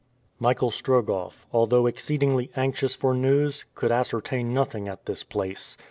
Michael Strogoff, although exceedingly anxious for news, could ascertain nothing at this place.